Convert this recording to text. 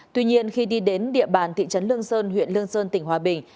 tuy nhiên khi đi đến địa bàn thị trấn lương sơn huyện lương sơn tỉnh hòa bình